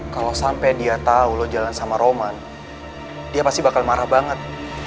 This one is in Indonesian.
kalau sampai dia tahu lo jalan sama roman dia pasti bakal marah banget